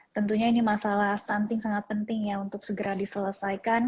tentunya ini masalah stunting sangat penting ya untuk segera diselesaikan